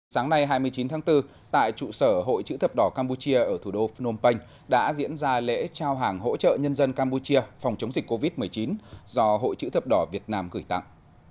sáng nay hai mươi chín tháng bốn tại trụ sở hội chữ thập đỏ campuchia ở thủ đô phnom penh đã diễn ra lễ trao hàng hỗ trợ nhân dân campuchia phòng chống dịch covid một mươi chín do hội chữ thập đỏ việt nam gửi tặng